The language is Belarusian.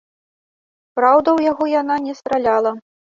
Праўда, у яго яна не страляла.